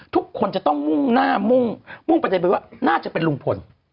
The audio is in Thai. ทุกคนจะต้องมุ่งหน้ามุ่งประเด็นไปว่าน่าจะเป็นลุงพล